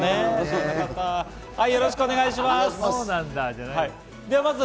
よろしくお願いします。